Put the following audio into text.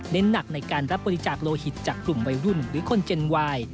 หนักในการรับบริจาคโลหิตจากกลุ่มวัยรุ่นหรือคนเจนวาย